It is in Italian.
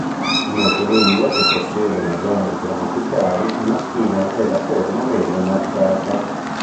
In molte lingue che possiedono generi grammaticali, il maschile è la forma meno marcata,